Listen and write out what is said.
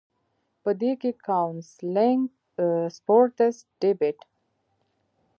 پۀ دې کښې کاونسلنګ ، سپورټس ، ډيبېټ ،